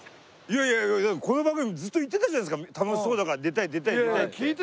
いやいやこの番組ずっと言ってたじゃないですか楽しそうだから出たい出たい出たいって。